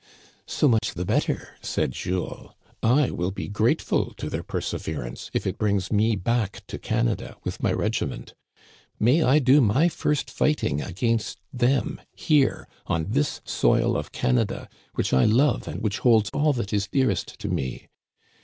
So much the better," said Jules. " I will be grate ful to their perseverance if it brings me back to Canada with my regiment. May I do my first fighting against thçm here, on this soil of Canada, which I love and which holds all that is dearest to me